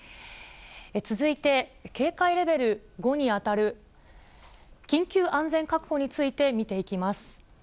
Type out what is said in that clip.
続いて、警戒レベル５に当たる緊急安全確保について見ていきます。